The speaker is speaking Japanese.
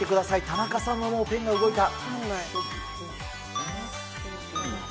田中さんはもうペンが動いた。